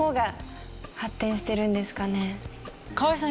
河合さん